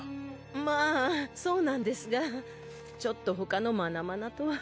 まあそうなんですがちょっと他のマナマナとは。